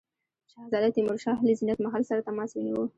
شهزاده تیمورشاه له زینت محل سره تماس ونیو.